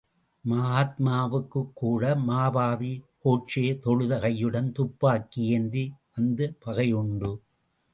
மகாத்மாவுக்குக் கூட, மாபாவி, கோட்சே தொழுத கையுடன் துப்பாக்கி ஏந்தி வந்த பகையுண்டு.